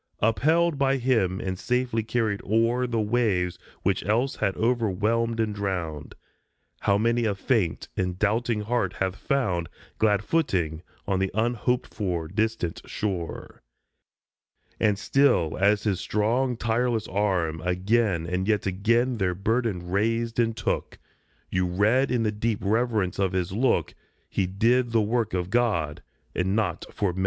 Upheld by him and safely carried o'er The waves which else had overwhelmed and drowned, How many a faint and doubting heart hath found Glad footing on the unhoped for, distant shore 1 And still as his strong, tireless arm again And yet again their burden raised and took, You read in the deep reverence of his look He did the work for God and not for men.